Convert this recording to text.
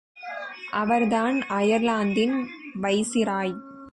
அவர்தான் அயர்லாந்தின் வைசிராய்.